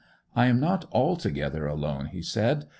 'I am not altogether alone,' he said.